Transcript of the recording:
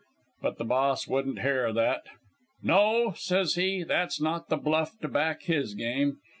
"But the Boss wouldn't hear of that. "'No,' says he; 'that's not the bluff to back in this game.